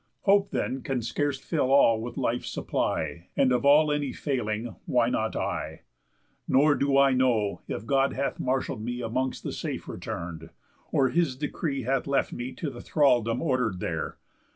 Hope then can scarce fill all with life's supply, And of all any failing, why not I? Nor do I know, if God hath marshall'd me Amongst the safe return'd; or his decree Hath left me to the thraldom order'd there.